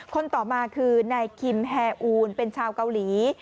คนต่อมาคือนายคิมแอร์อูนเป็นชาวเกาหลี